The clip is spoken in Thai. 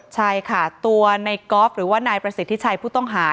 ใช่ค่ะตัวในกอล์ฟหรือว่านายประสิทธิชัยผู้ต้องหา